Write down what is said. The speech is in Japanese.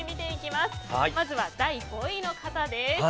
まずは第５位の方です。